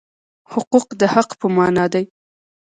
حقوق د حق په مانا دي.